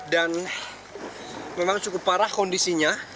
dan memang cukup parah kondisinya